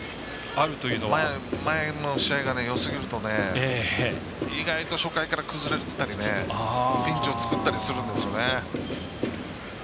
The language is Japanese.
前の試合がよすぎると意外と初回から崩れたりピンチを作ったりするんですよね。